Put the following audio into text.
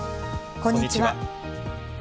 こんにちは。